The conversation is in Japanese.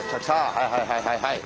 はいはいはいはいはい。